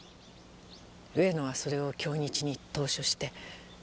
上野はそれを京日に投書して。